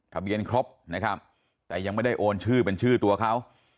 ทะเบียนครบนะครับแต่ยังไม่ได้โอนชื่อเป็นชื่อตัวเขา